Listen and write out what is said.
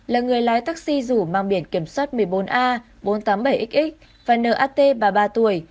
là người lái taxi rủ mang biển kiểm soát một mươi bốn a bốn trăm tám mươi bảy x và nat ba mươi ba tuổi